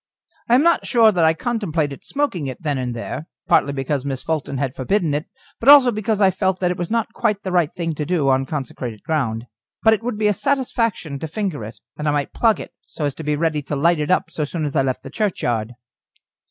I am not sure that I contemplated smoking it then and there, partly because Miss Fulton had forbidden it, but also because I felt that it was not quite the right thing to do on consecrated ground. But it would be a satisfaction to finger it, and I might plug it, so as to be ready to light up so soon as I left the churchyard.